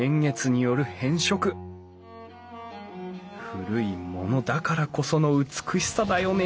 古いものだからこその美しさだよね